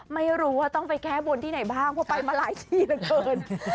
ไม่รู้ว่าต้องไปแก้บนที่ไหนบ้างเพราะไปมาหลายที่เหลือเกิน